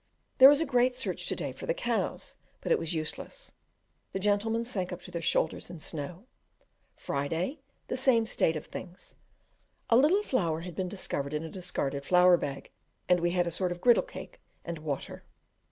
There was a great search to day for the cows, but it was useless, the gentlemen sank up to their shoulders in snow. Friday, the same state of things: a little flour had been discovered in a discarded flour bag, and we had a sort of girdle cake and water.